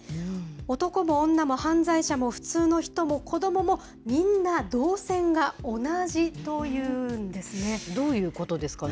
男も女も犯罪者も普通の人も子どもも、どういうことですかね。